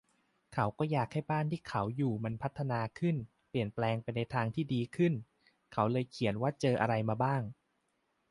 เขาก็อยากให้บ้านที่เขาอยู่มันพัฒนาขึ้น เปลี่ยนแปลงไปในทางที่ดึขึ้นเขาเลยเขียนว่าเจออะไรมาบ้าง